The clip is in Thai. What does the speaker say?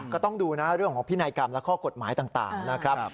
ก็ต้องดูนะเรื่องของพินัยกรรมและข้อกฎหมายต่างนะครับ